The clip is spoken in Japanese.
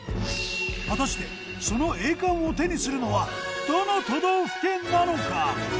果たしてその栄冠を手にするのはどの都道府県なのか？